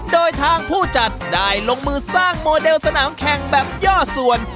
โดยทางผู้จัดได้ลงมือสร้างโมเดลสนามแข่งแบบย่อส่วน